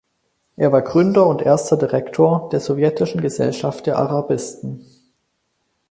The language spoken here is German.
Er war Gründer und erster Direktor der sowjetischen Gesellschaft der Arabisten.